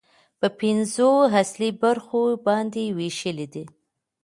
په پنځو اصلي برخو باندې ويشلې ده